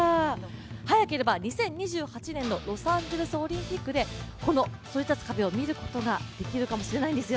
早ければ２０２８年のロサンゼルスオリンピックでこのそり立つ壁を見ることができるかもしれないんですよ。